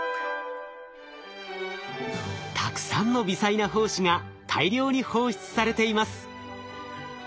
たくさんの微細な胞子が大量に放出されています。